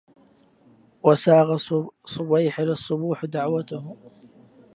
وساق صبيح للصبوح دعوته